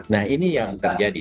nah ini yang terjadi